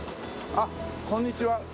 あっこんにちは。